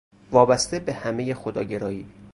وابسته به همه خداگرایی